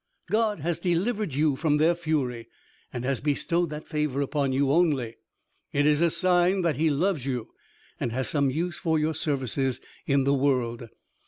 God has delivered you from their fury, and has bestowed that favor upon you only. It is a sign that He loves you, and has some use for your service in the world.